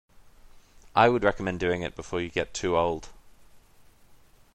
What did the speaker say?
I would recommend doing it before you get too old.